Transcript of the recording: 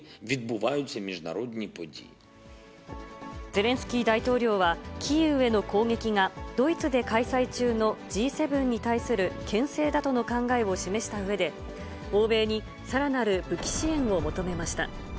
ゼレンスキー大統領は、キーウへの攻撃がドイツで開催中のＧ７に対するけん制だとの考えを示したうえで、欧米にさらなる武器支援を求めました。